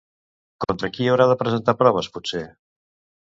Contra qui haurà de presentar proves potser?